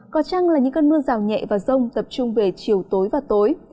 có chăng là những cơn mưa rào nhẹ và rông tập trung về chiều tối và tối